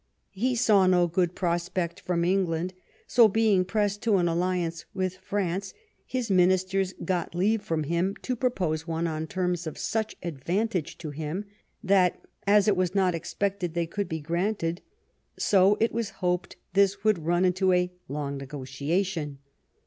He saw no good prospect from England; so, being pressed to an alliance with France, his ministers got leave from him to propose one on terms of such advantage to him that, as it was not expected they could be granted, so it was hoped this would run into a long negotiation.